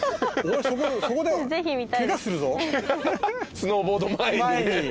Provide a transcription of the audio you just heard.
スノーボード前に。